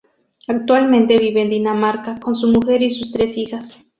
Actualmente vive en Dinamarca con su mujer y sus tres hijas.